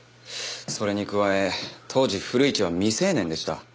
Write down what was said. それに加え当時古市は未成年でした。